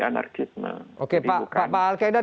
anarkisme oke pak alkaidar